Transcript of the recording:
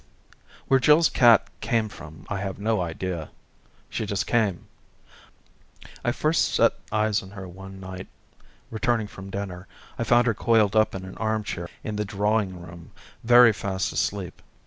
Where Jill's cat came from I have no idea ; she just came. I first set eyes on her when one night, returning from dinner, I found her coiled up in an arnvchair in the drawing room very fast asleep.